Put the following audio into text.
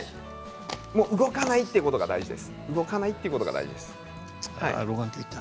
動かないということが大事です。